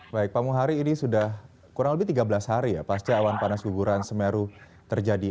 baik pak muhari ini sudah kurang lebih tiga belas hari ya pasca awan panas guguran semeru terjadi